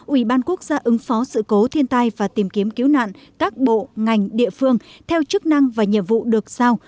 ubnd ứng phó sự cố thiên tai và tìm kiếm cứu nạn các bộ ngành địa phương theo chức năng và nhiệm vụ được sao